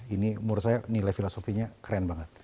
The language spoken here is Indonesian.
ini menurut saya nilai filosofinya keren banget